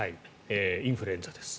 インフルエンザです。